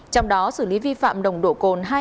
trong đó xử lý vi phạm đồng độ cồn